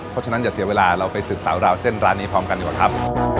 เพราะฉะนั้นอย่าเสียเวลาเราไปสืบสาวราวเส้นร้านนี้พร้อมกันดีกว่าครับ